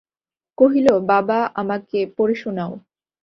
কহিল, বাবা, আমাকে পড়ে শোনাও।